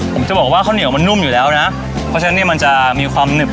ผมจะบอกว่าข้าวเหนียวมันนุ่มอยู่แล้วนะเพราะฉะนั้นเนี่ยมันจะมีความหนึบ